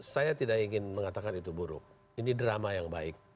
saya tidak ingin mengatakan itu buruk ini drama yang baik